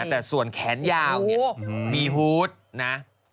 แต่ส่วนแขนยาวเนี่ยมีฮูตนะ